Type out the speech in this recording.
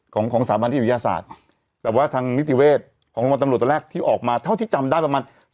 ของของสถาบันนิติวิทยาศาสตร์แต่ว่าทางนิติเวชของรางวัลตำรวจตอนแรกที่ออกมาเท่าที่จำได้ประมาณ